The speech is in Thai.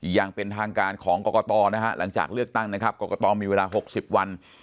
อย่างเป็นทางการของกรกตนะฮะหลังจากเลือกตั้งนะครับกรกตมีเวลา๖๐วัน